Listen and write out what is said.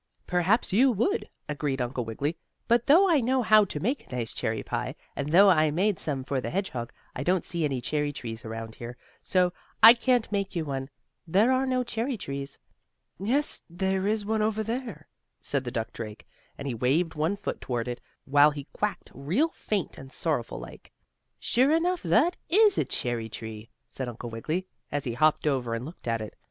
"Perhaps you would," agreed Uncle Wiggily, "but, though I know how to make nice cherry pie, and though I made some for the hedgehog, I don't see any cherry trees around here, so I can't make you one. There are no cherry trees." "Yes, there is one over there," said the duck drake, and he waved one foot toward it, while he quacked real faint and sorrowful like. "Sure enough, that is a cherry tree," said Uncle Wiggily, as he hopped over and looked at it.